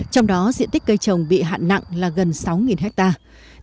trong đó diện tích cây trồng bị hạn nặng là gần sáu hectare